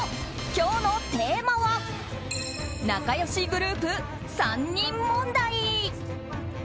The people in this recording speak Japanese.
今日のテーマは仲良しグループ３人問題。